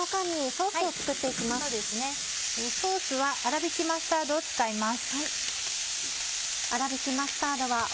ソースはあらびきマスタードを使います。